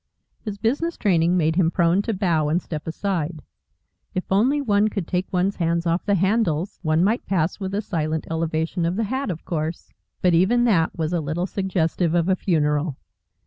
His business training made him prone to bow and step aside. If only one could take one's hands off the handles, one might pass with a silent elevation of the hat, of course. But even that was a little suggestive of a funeral.